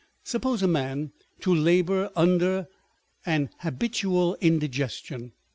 Suppose a man to labour under an habitual indigestion.